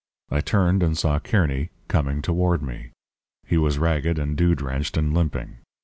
I turned and saw Kearny coming toward me. He was ragged and dew drenched and limping.